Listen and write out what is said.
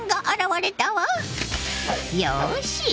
よし。